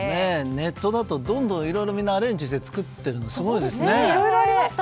ネットだとどんどんいろいろみんなアレンジして作っているのですごいですね。